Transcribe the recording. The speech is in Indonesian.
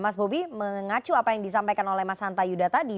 mas bobi mengacu apa yang disampaikan oleh mas hanta yuda tadi